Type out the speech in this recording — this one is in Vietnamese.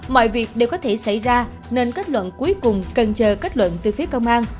mọi việc đều có thể xảy ra nên kết luận cuối cùng cần chờ kết luận từ phía công an